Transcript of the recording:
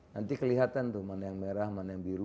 nanti kelihatan tuh mana yang merah mana yang biru